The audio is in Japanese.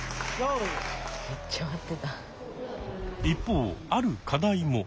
一方ある課題も。